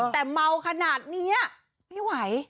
แต่เมาขนาดนี้ไม่ไหว